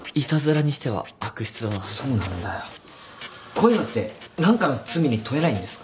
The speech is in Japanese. こういうのって何かの罪に問えないんですか？